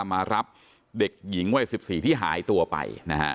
มารับเด็กหญิงวัย๑๔ที่หายตัวไปนะฮะ